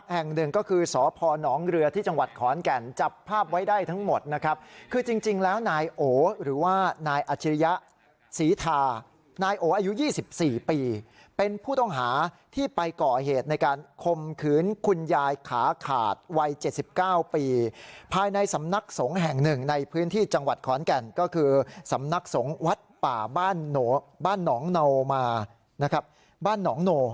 แห่งหนึ่งก็คือสพนเรือที่จังหวัดขอนแก่นจับภาพไว้ได้ทั้งหมดนะครับคือจริงแล้วนายโอหรือว่านายอาชิริยะศรีทานายโออายุ๒๔ปีเป็นผู้ต้องหาที่ไปก่อเหตุในการคมขืนคุณยายขาขาดวัย๗๙ปีภายในสำนักสงฆ์แห่งหนึ่งในพื้นที่จังหวัดขอนแก่นก็คือสำนักสงฆ์วัดป่าบ้านหนองโนมานะครับบ้านหนองโน